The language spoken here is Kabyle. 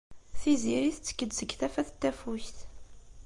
Tiziri tettek-d seg tafat n Tafukt.